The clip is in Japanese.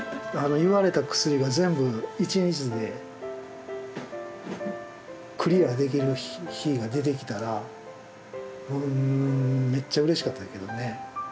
言われた薬が全部一日でクリアできる日が出てきたらめっちゃうれしかったけどね。